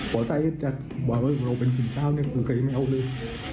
หัวใต้จะบอกมาเป็นทิสต์ชาวนี้คือใครไม่เอาเลย